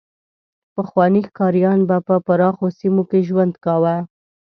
پخواني ښکاریان به په پراخو سیمو کې ژوند کاوه.